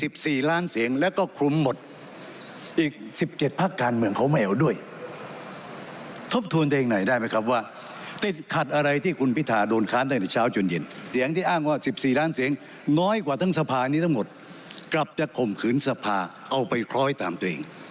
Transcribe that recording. ฟังประชาธิปัตย์ก็ชัดเจนนะคะว่าไม่โหวตให้นายพิธาค่ะ